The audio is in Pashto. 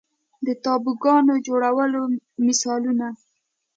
د تابوګانو جوړولو مثالونه